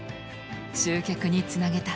集客につなげた。